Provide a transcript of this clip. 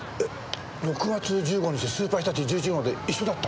６月１５日スーパーひたち１１号で一緒だった？